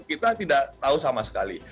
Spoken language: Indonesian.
kita tidak tahu sama sekali